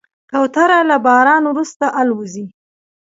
کوتره له باران وروسته الوزي.